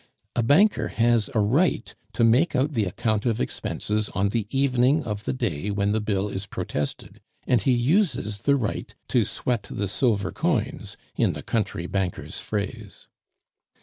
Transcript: A banker has a right to make out the account of expenses on the evening of the day when the bill is protested, and he uses the right to "sweat the silver crowns," in the country banker's phrase.